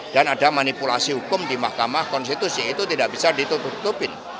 dan ada manipulasi hukum di mahkamah konstitusi itu tidak bisa ditutupin